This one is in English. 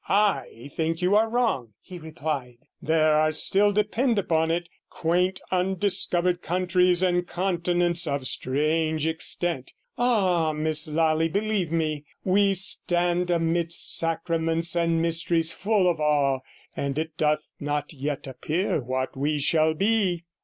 'I think you, are wrong,' he replied; 'there are still, depend upon it, quaint, undiscovered countries and continents of strange extent. Ah, Miss Lally! 48 believe me, we stand amidst sacraments and mysteries full of awe, and it doth not yet appear what we shall be.